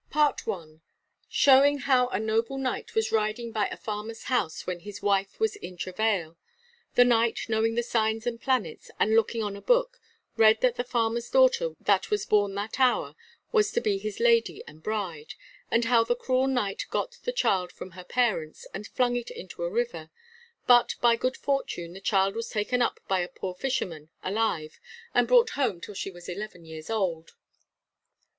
PART I. Showing how a noble Knight was riding by a farmer's house, when his wife was in travail. The Knight knowing the signs and planets, and looking on a book, read that the farmer's daughter that was born that hour was to be his lady and bride. And how the cruel Knight got the child from her parents, and flung it into a river; but by good fortune, the child was taken up by a poor fisherman alive, and brought home till she was eleven years old.